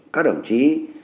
các đồng chí